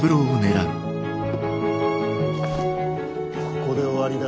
ここで終わりだ。